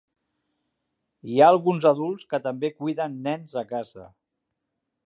Hi ha alguns adults que també cuiden nens a casa.